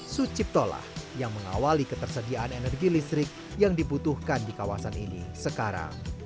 sucipto lah yang mengawali ketersediaan energi listrik yang dibutuhkan di kawasan ini sekarang